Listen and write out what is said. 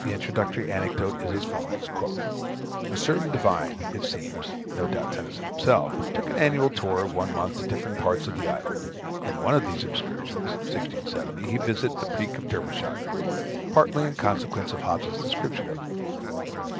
The introductory anecdote is as follows: "A certain divine, it seems, (no doubt Tennison himself,) took an annual tour of one month to different parts of the island. In one of these excursions (1670) he visited the Peak in Derbyshire, partly in consequence of Hobbes's description of it.